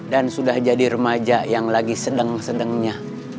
dan sudah jadi remaja yang sedang sedangnya